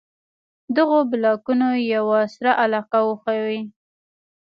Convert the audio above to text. دغو بلاکونو یوه سره علاقه وښيي.